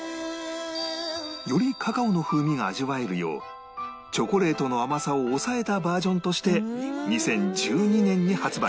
よりカカオの風味が味わえるようチョコレートの甘さを抑えたバージョンとして２０１２年に発売